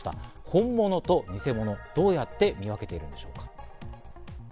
ホンモノとニセモノ、どうやって見分けているんでしょうか？